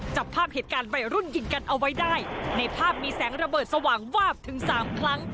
จับภาพเหตุการณ์วัยรุ่นยิงกันเอาไว้ได้ในภาพมีแสงระเบิดสว่างวาบถึงสามครั้ง